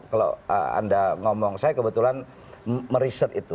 kalau anda ngomong saya kebetulan meriset itu